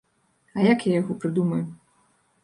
А як я яго прыдумаю?